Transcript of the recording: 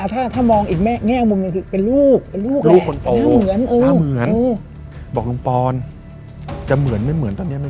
ถ้ามองแน่งลูกคือ